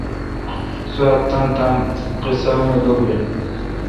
سواب تان تان قیسا می ڈوب آشاں۔